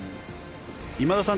今田さん